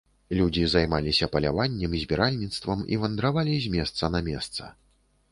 Людзі займаліся паляваннем, збіральніцтвам, і вандравалі з месца на месца.